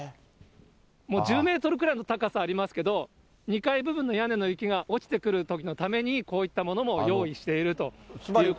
もう１０メートルくらいの高さありますけど、２階分の屋根の雪が落ちてくるときのために、こういったものも用意しているというこ